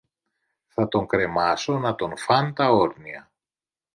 Θα τον κρεμάσω να τον φαν τα όρνια